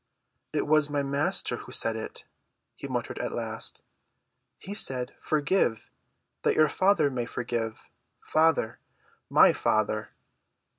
"It was my Master who said it," he muttered at last. "He said 'Forgive, that your Father may forgive.' Father—my Father!"